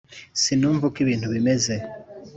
sinumva uko ibintu bimeze